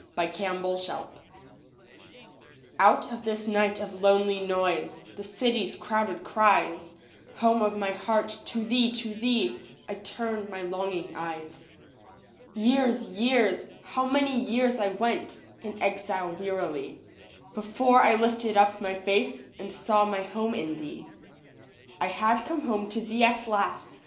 A Nocturne of Exile Out of this night of lonely noise, The city's crowded cries, Home of my heart, to thee, to thee I turn my longing eyes. Years, years, how many years I went In exile wearily, Before I lifted up my face And saw my home in thee. I had come home to thee at last.